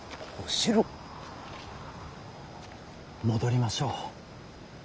戻りましょう。